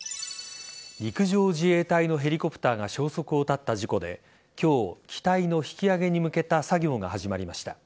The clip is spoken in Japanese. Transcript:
陸上自衛隊のヘリコプターが消息を絶った事故で今日機体の引き揚げに向けた作業が始まりました。